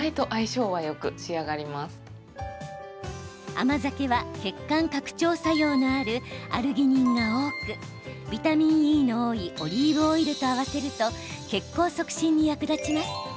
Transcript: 甘酒は血管拡張作用のあるアルギニンが多くビタミンＥの多いオリーブオイルと合わせると血行促進に役立ちます。